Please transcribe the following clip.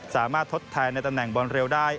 สามารถทดแทนในตำแหน่งบอลเรียลได้